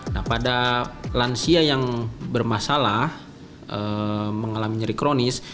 nah pada lansia yang bermasalah mengalami nyeri kronis